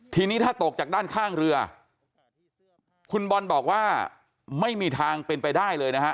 ทีนี้ถ้าตกจากด้านข้างเรือคุณบอลบอกว่าไม่มีทางเป็นไปได้เลยนะฮะ